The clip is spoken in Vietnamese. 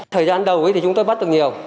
thời gian đầu thì chúng tôi bắt được nhiều